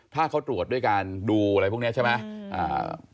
ถ้าเขาตรวจด้วยการดูอะไรพวกนี้ใช่ไหม